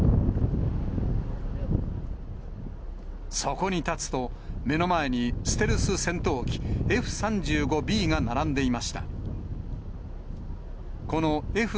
そこに立つと、目の前にステルス戦闘機、Ｆー３５Ｂが並んでいました。